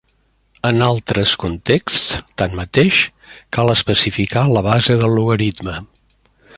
En altres contexts, tanmateix, cal especificar la base del logaritme.